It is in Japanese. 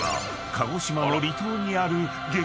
［鹿児島の離島にある激